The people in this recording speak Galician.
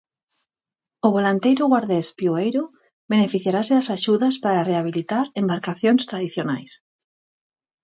O volanteiro guardés 'Piueiro' beneficiarase das axudas para rehabilitar embarcacións tradicionais.